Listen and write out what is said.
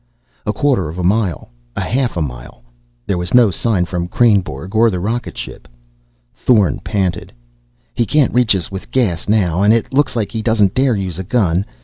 A quarter of a mile. Half a mile. There was no sign from Kreynborg or the rocket ship. Thorn panted. "He can't reach us with gas, now, and it looks like he doesn't dare use a gun.